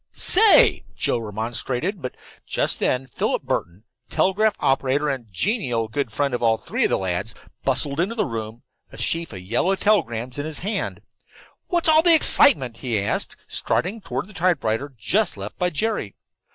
"Say!" Joe remonstrated. But just then Philip Burton, telegraph operator and genial good friend of all three of the lads, bustled into the room, a sheaf of yellow telegrams in his hand. "What's all the excitement?" he asked, striding toward the typewriter just left by Jerry.